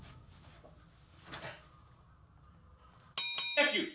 野球。